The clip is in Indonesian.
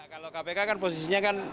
kalau kpk kan posisinya kan